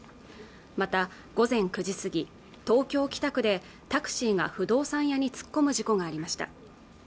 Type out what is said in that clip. また午前９時過ぎ東京北区でタクシーが不動産屋に突っ込む事故がありました